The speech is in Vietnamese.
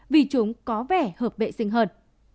vì chúng có vẻ hợp bệ sinh hơn